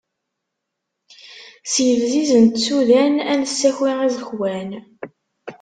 S yebzizen n tsudan ad nessaki iẓekwan.